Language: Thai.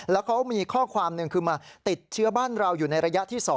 แล้วเขามีข้อความหนึ่งคือมาติดเชื้อบ้านเราอยู่ในระยะที่๒